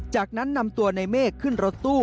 จากนั้นนำตัวในเมฆขึ้นรถตู้